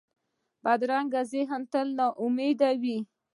بدرنګه ذهن تل ناامیده وي